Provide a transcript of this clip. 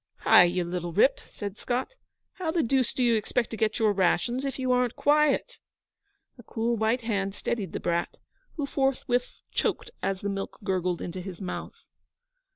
'Hai, you little rip,' said Scott, 'how the deuce do you expect to get your rations if you aren't quiet?' A cool white hand steadied the brat, who forthwith choked as the milk gurgled into his mouth.